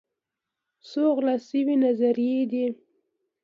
څو غلا شوي نظريې دي